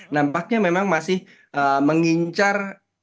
nampaknya memang masih mengincar